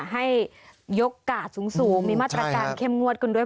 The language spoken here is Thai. ให้ยกกาดสูงมีมาตรการเข้มงวดกันด้วย